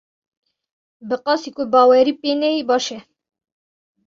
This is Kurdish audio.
Bi qasî ku bawerî pê neyê baş e.